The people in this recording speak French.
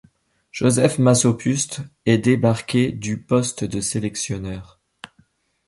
Josef Masopust est débarqué du poste de sélectionneur.